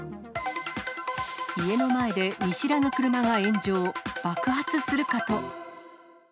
家の前で見知らぬ車が炎上、爆発するかと。